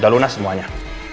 udah lunas semuanya